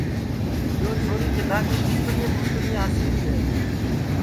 یو چھوری کِدھا کی پُھسکریں پُھسکریں ہاسی ری ہے